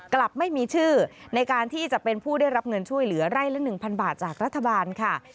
กลับไม่มีชื่อในการที่จะเป็นผู้ได้รับเงินช่วยเหลือไร่ละ๑๐๐บาทจากรัฐบาลค่ะ